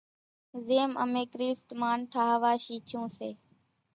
زيم امين ڪريست مانَ ٺاۿوا شيڇون سي،